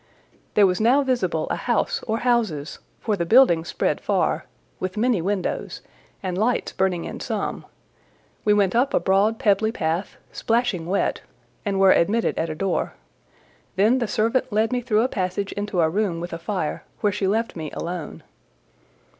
There was now visible a house or houses—for the building spread far—with many windows, and lights burning in some; we went up a broad pebbly path, splashing wet, and were admitted at a door; then the servant led me through a passage into a room with a fire, where she left me alone.